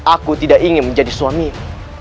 aku tidak ingin menjadi suamimu